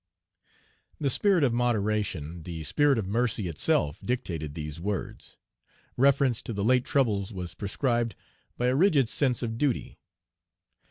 The spirit of moderation, the spirit of mercy itself dictated these words. Reference to the late troubles was prescribed by a rigid sense of duty.